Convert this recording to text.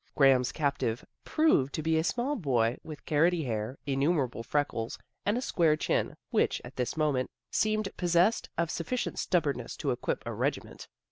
Graham's captive proved to be a small boy with carroty hair, innumerable freckles, and a square chin, which, at this moment, seemed possessed of sufficient stubbornness to equip a regiment.